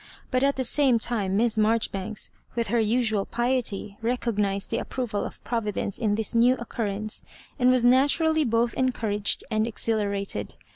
But at the same time Miss Marjoribanks, with her usual piety, re oc^ised the approval of Providence in this new occurrence, and was naturally both encouraged and exhilarated.